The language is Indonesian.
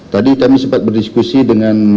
tadi kami sempat berdiskusi dengan